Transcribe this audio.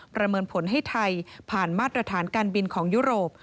ประเมินผลให้ไทยผ่านมาตรฐานการบินของยุโรป